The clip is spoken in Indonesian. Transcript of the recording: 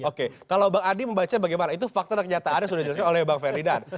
oke kalau bang adi membaca bagaimana itu fakta dan kenyataannya sudah dijelaskan oleh bang ferdinand